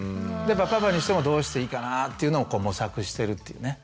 パパにしてもどうしていいかなっていうのを模索してるっていうね。